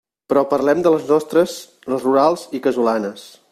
Però parlem de les nostres, les rurals i casolanes.